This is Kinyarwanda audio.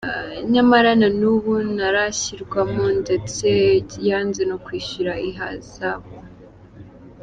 Nyamara na n’ubu ntarashyirwamo, ndetse yanze no kwishyura ihazabu.